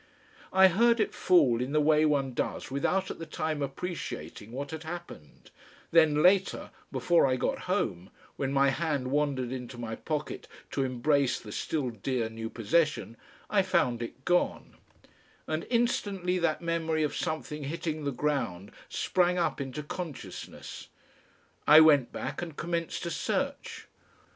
I heard it fall in the way one does without at the time appreciating what had happened, then, later, before I got home, when my hand wandered into my pocket to embrace the still dear new possession I found it gone, and instantly that memory of something hitting the ground sprang up into consciousness. I went back and commenced a search.